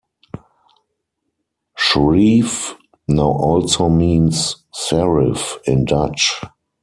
"Schreef" now also means "serif" in Dutch.